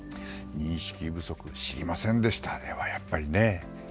認識不足知りませんでしたではやっぱりね。